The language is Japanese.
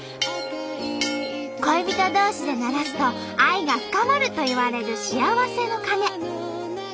恋人同士で鳴らすと愛が深まるといわれる幸せの鐘。